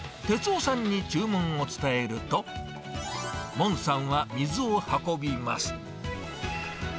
哲夫さんに注文を伝えると、モンさんは水を運びます。